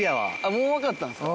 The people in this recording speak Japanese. もう分かったんですか？